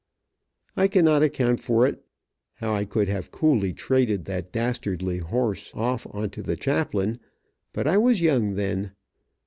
I cannot account for it, how I could have coolly traded that dastardly horse off on to the chaplain, but I was young then.